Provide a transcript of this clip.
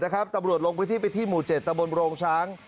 พักตำรวจลงพิธีไปที่หมู่๗ตระบวนโรงช้าง